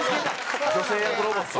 女性役ロボット。